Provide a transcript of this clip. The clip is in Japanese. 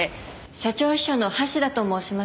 社長秘書の橋田と申します。